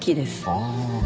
ああ。